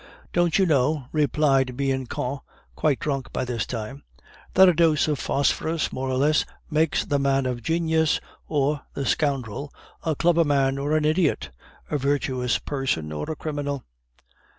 "Don't you know," replied Bianchon, quite drunk by this time, "that a dose of phosphorus more or less makes the man of genius or the scoundrel, a clever man or an idiot, a virtuous person or a criminal?"